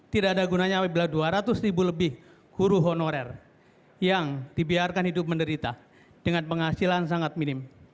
tidak ada gunanya apabila dua ratus ribu lebih guru honorer yang dibiarkan hidup menderita dengan penghasilan sangat minim